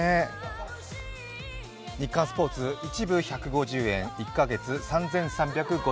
日刊スポーツ、１部１５０円、１か月３３５３円